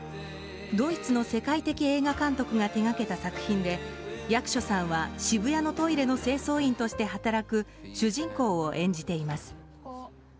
ドイツの世界的映画監督が手がけた作品で役所さんは渋谷のトイレの清掃員として働く主人公を演じています。